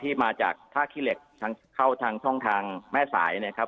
ที่มาจากท่าคิเล็กเข้าทางช่องทางแม่สาย